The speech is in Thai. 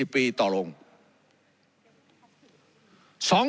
๒๐ปีต่อลง